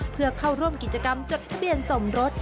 เพื่อเข้าร่วมกิจกรรมจดทะเบียนสมรส